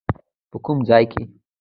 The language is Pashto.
په کوم ځای کې؟